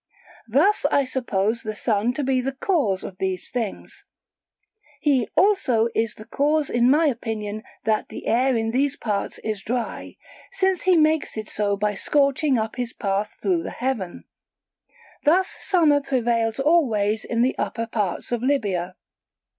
Thus I suppose the Sun to be the cause of these things. He also is the cause in my opinion that the air in these parts is dry, since he makes it so by scorching up his path through the heaven: thus summer prevails always in the upper parts of Libya.